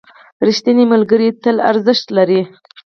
ریښتیني ملګري تل ارزښت لري.